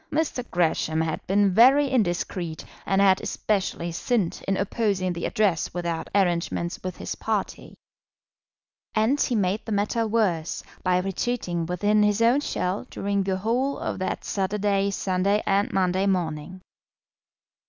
Mr. Gresham had been very indiscreet, and had especially sinned in opposing the Address without arrangements with his party. And he made the matter worse by retreating within his own shell during the whole of that Saturday, Sunday, and Monday morning.